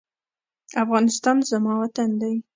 افغانستان زما وطن دی.